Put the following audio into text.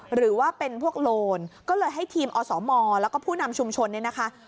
หรือว่าเป็นพวกโลนก็เลยให้ทีมอสมแล้วก็ผู้นำชุมชนเนี่ยนะคะ